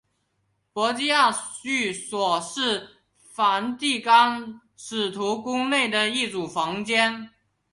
波吉亚寓所是梵蒂冈使徒宫内的一组房间。